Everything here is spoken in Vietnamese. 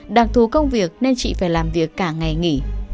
đặc thù công việc nên chị phải làm việc cả ngày nghỉ